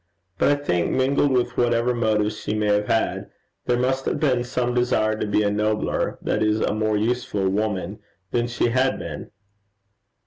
But I think, mingled with whatever motives she may have had, there must have been some desire to be a nobler, that is a more useful woman than she had been.